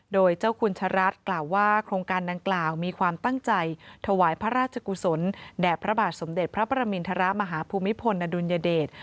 โดยเจ้าคุณชะรัฐกล่าวว่าโครงการดังกล่าวมีความตั้งใจถวายพระราชกุศลแด่พระบาทสมเด็จพระประมินทรมาฮภูมิพลอดุลยเดช